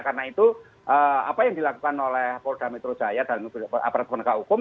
karena itu apa yang dilakukan oleh polda metro jaya dan aparat pernikah hukum